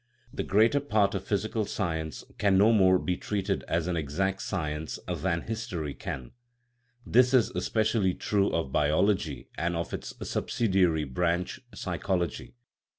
The greater part of physical science can no more be treated as an exact science than history can; this is especially true of biology and of its subsidiary branch, psychology.